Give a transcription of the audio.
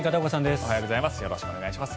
おはようございます。